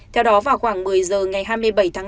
theo đó vào khoảng một mươi giờ ngày hai mươi bảy tháng tám